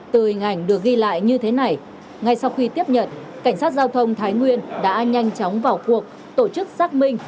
từ hình ảnh được ghi lại như thế này ngay sau khi tiếp nhận cảnh sát giao thông thái nguyên đã nhanh chóng vào cuộc tổ chức xác minh